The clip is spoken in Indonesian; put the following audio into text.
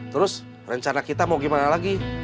terus rencana kita mau gimana lagi